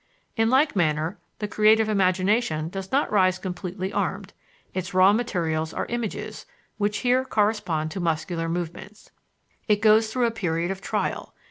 In like manner, the creative imagination does not rise completely armed. Its raw materials are images, which here correspond to muscular movements. It goes through a period of trial.